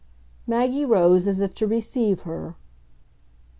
Maggie rose as if to receive her.